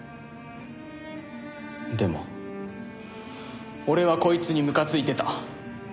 でも俺はこいつにむかついてた。